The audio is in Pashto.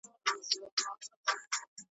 له ښایستونو نه ډک ، ھرمکان مې ولټوو